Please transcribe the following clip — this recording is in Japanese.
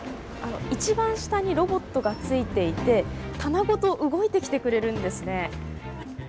一番下にロボットがついていて棚ごと動いてきてくれるんですね。